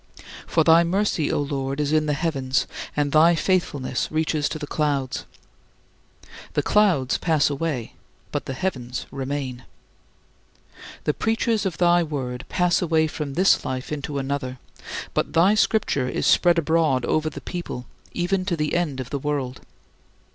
"For thy mercy, O Lord, is in the heavens, and thy faithfulness reaches to the clouds." The clouds pass away, but the heavens remain. The preachers of thy Word pass away from this life into another; but thy Scripture is spread abroad over the people, even to the end of the world.